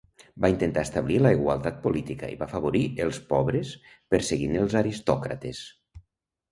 Va intentar establir la igualtat política i va afavorir els pobres perseguint els aristòcrates.